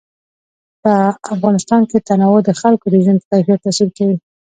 په افغانستان کې تنوع د خلکو د ژوند په کیفیت تاثیر کوي.